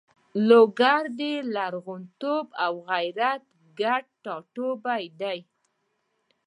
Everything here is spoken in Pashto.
لوګر د لرغونتوب او غیرت ګډ ټاټوبی ده.